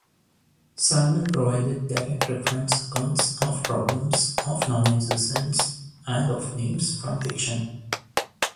Salmon provided direct-reference accounts of problems of nonexistence and of names from fiction.